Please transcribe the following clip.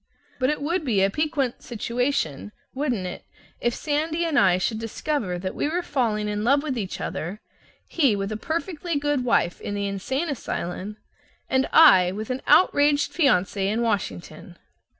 But it would be a piquant situation, wouldn't it, if Sandy and I should discover that we were falling in love with each other, he with a perfectly good wife in the insane asylum and I with an outraged fiance in Washington?